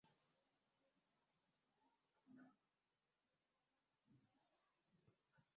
Potser hauria de deixar passar més temps.